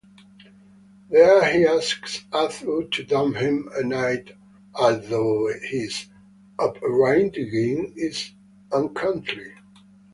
There he asks Arthur to dub him a knight although his upbringing is uncourtly.